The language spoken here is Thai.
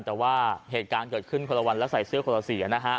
แต่ว่าเหตุการณ์เกิดขึ้นคนละวันแล้วใส่เสื้อคนละเสียนะฮะ